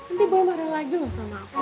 nanti bawa marah lagi loh sama aku